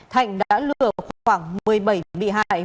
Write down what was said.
thạnh đã lừa khoảng một mươi bảy bị hại